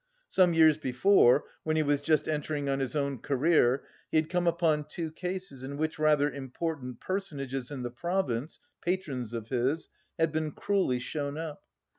Some years before, when he was just entering on his own career, he had come upon two cases in which rather important personages in the province, patrons of his, had been cruelly shown up.